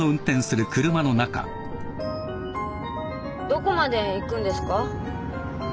どこまで行くんですか？